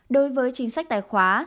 đối với chính sách tài khoá